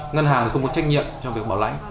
ngân hàng không có trách nhiệm trong việc bảo lãnh